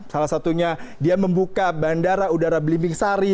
salah satunya dia membuka bandara udara belimbing sari